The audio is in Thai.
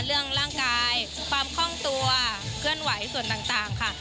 เรื่องร่างกายความคล่องตัวเคลื่อนไหวส่วนต่างค่ะ